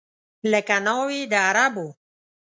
لکه ناوې د عربو